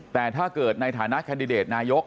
แต่ถ้าเกิดในฐานะแคนดิเดตนายก